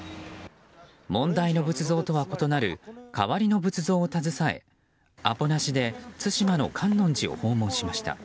問題の仏像とは異なる代わりの仏像を携え、アポなしで対馬の観音寺を訪問しました。